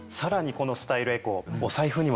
このスタイルエコ。